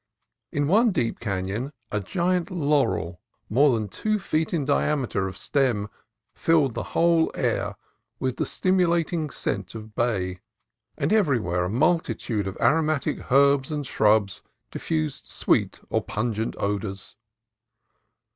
In one deep canon a giant laurel, more than two feet in diameter of stem, filled the whole air with a stimulating scent of bay, and every where a multitude of aromatic herbs and shrubs diffused sweet or pungent odors.